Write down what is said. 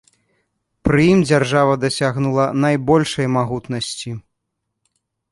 Пры ім дзяржава дасягнула найбольшай магутнасці.